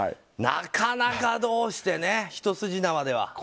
なかなかどうしてね一筋縄では。